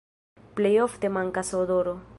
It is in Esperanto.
Plej ofte mankas odoro.